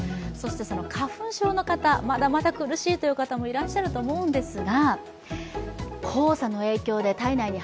その花粉症の方、まだまだ苦しいという方もいらっしゃると思うんですが。